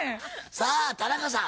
さあ田中さん